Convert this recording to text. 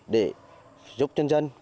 để giúp nhân dân